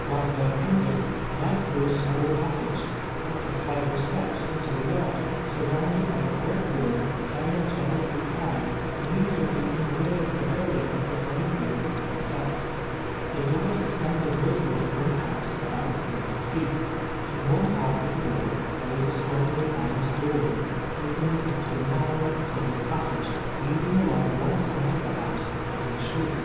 ]>urcli ami JRa<ll)uni entered, led tlirougli a small inissaiiv, np a iliiilit" oi' steps into a yard, surrouiuled l>y a briek wall ten or twelve feet lii,u"1i, iuimediately ill rear of a Imildin:^ of the «aiuc Avidth as itself. The yard extended rearward from the house ahout thirty feet. In one part of the Avail there Avas a stronijlv irc^ned door, 0]>eninu^ into a narrow, covered ]iassai^e, leadin;;; ahmij; one side of the house iiito the street.